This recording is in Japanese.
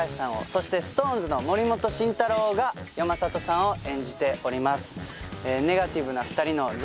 そしてＳｉｘＴＯＮＥＳの森本慎太郎が山里さんを演じております。